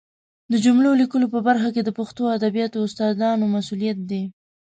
د جملو لیکلو په برخه کې د پښتو ادبیاتو استادانو مسؤلیت دی